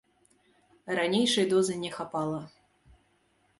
Ранейшай дозы не хапала.